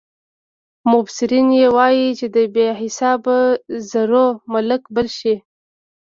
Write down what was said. مبصرین یې وايي چې د بې حسابه زرو مالک به شي.